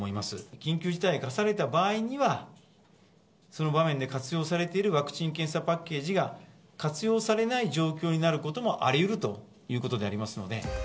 緊急事態が出された場合には、その場面で活用されているワクチン検査パッケージが活用されない状況になることもありうるということでございますので。